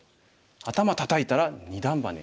「アタマたたいたら二段バネ！」。